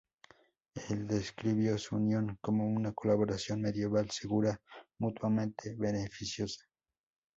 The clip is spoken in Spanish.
Él describió su unión como una "colaboración medieval segura mutuamente beneficiosa".